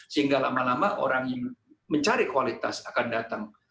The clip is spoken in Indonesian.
sehingga lama lama orang yang mencari kualitas akan datang